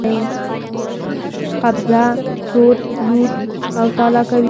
قبضه، چور، لوټ او تالا کوي.